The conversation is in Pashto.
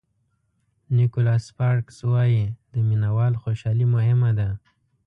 نیکولاس سپارکز وایي د مینه وال خوشالي مهمه ده.